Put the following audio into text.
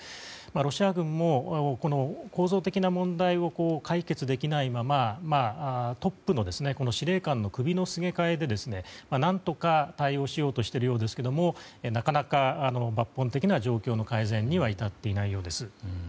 ロシア軍も、この構造的な問題を解決できないままトップの司令官の首のすげ替えで何とか対応しようとしているようですけどなかなか抜本的な状況の改善には至っていないようです。